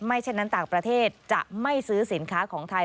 เช่นนั้นต่างประเทศจะไม่ซื้อสินค้าของไทย